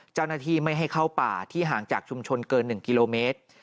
เจ้าหน้าที่ไม่ให้เข้าป่าที่ห่างจากชุมชนเกิน๑กิโลเมตร